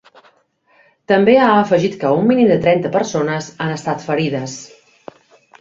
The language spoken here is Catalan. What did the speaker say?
També ha afegit que un mínim de trenta persones han estat ferides.